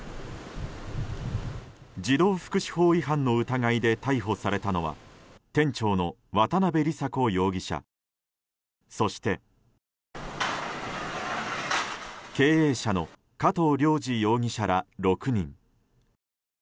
児童福祉法違反の疑いで逮捕されたのは店長の渡辺理沙子容疑者そして経営者の加藤亮二容疑者ら６人。